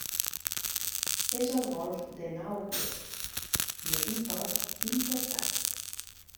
És al golf de Nàuplia i és un port important.